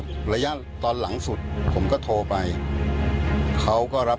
มีความรู้สึกว่าเมืองก็ว่าเสียใจ